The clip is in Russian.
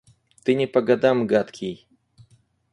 Ты не по годам гадкий!